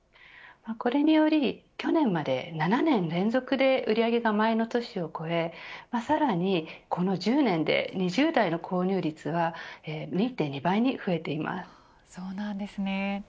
これにより、去年まで７年連続で売り上げが前の年を超えさらにこの１０年で２０代の購入率はそうなんですね。